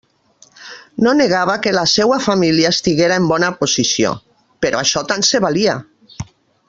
No negava que la seua família estiguera en «bona posició»; però això tant se valia!